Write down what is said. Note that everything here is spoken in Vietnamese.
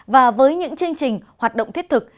và với những chương trình hoạt động thiết thực